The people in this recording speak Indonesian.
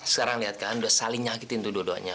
sekarang lihat kan udah saling nyakitin itu dua duanya